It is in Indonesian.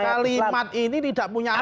kalimat ini tidak punya